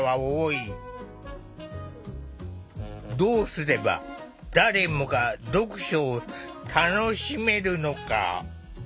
どうすれば誰もが読書を楽しめるのか。